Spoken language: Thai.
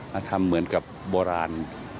แล้วทำเหมือนกับโบราณ